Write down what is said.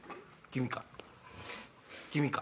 君か？